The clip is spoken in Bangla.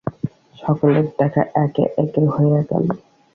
সকলের দেখা একে একে হইয়া গেল।